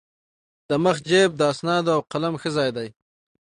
د مخ جېب د اسنادو او قلم ښه ځای دی.